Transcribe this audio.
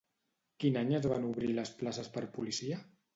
Quin any es van obrir les places per policia?